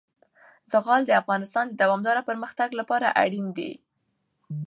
زغال د افغانستان د دوامداره پرمختګ لپاره اړین دي.